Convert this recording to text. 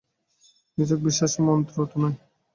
নিছক বিশ্বাসের মন্ত্র তো নয়।